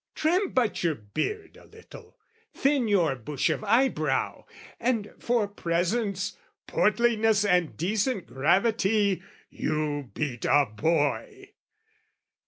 "Trim but your beard a little, thin your bush "Of eyebrow; and for presence, portliness "And decent gravity, you beat a boy!"